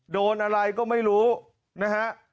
โดนอะไรก็ไม่รู้นะฮะ